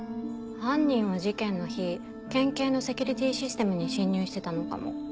犯人は事件の日県警のセキュリティーシステムに侵入してたのかも。